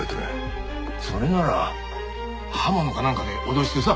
それなら刃物かなんかで脅してさ。